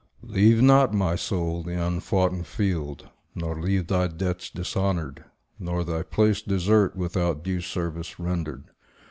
Leave not, my soul, the unfoughten field, nor leave Thy debts dishonoured, nor thy place desert Without due service rendered.